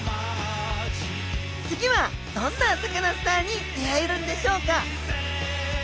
次はどんなサカナスターに出会えるんでしょうか？